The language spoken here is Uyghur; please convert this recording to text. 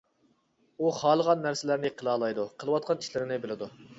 ئۇ خالىغان نەرسىلەرنى قىلالايدۇ، قىلىۋاتقان ئىشلىرىنى بىلىدۇ.